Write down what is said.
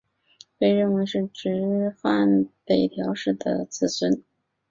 被认为是执权北条氏的子孙。